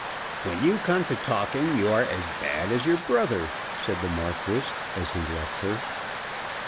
"When you come to talking you are as bad as your brother," said the Marquis as he left her.